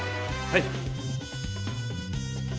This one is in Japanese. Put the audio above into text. はい！